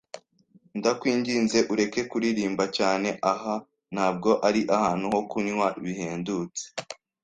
Ndakwinginze ureke kuririmba cyane? Aha ntabwo ari ahantu ho kunywa bihendutse.